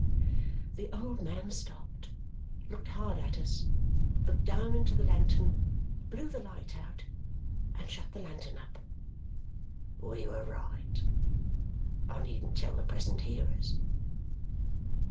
'" The old man stopped, looked hard at us, looked down into the lantern, blew the light out, and shut the lantern up. "We were right, I needn't tell the present hearers.